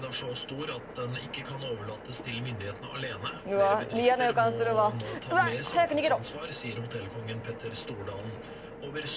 うわ嫌な予感するわ早く逃げろ。